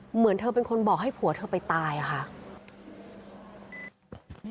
เหมือนเธอเป็นคนบอกให้ผัวเธอไปตายอะค่ะ